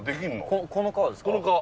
この川ですか？